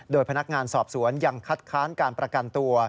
โดยพนักงานสอบสวนยังคัดค้านการประกันตัว